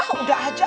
ah udah aja